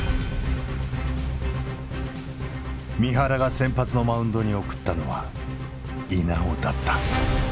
三原が先発のマウンドに送ったのは稲尾だった。